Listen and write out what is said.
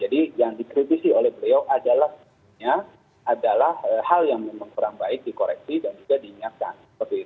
jadi yang dikritisi oleh beliau adalah hal yang memang kurang baik dikoreksi dan juga dinyatakan